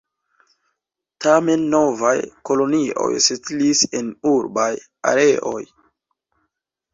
Tamen, novaj kolonioj setlis en urbaj areoj.